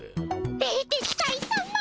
冷徹斎さま